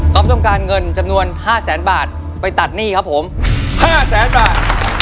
ต้องการเงินจำนวน๕แสนบาทไปตัดหนี้ครับผม๕แสนบาท